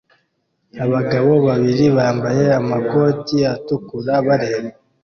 Abagabo babiri bambaye amakoti atukura bareba